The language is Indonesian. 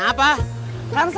ya udah kang